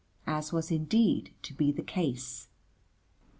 As was indeed to be the case.